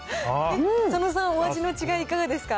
佐野さん、お味の違い、いかがですか。